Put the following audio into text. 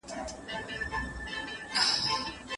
ته به یو ښه لیکوال سې.